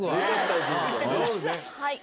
はい！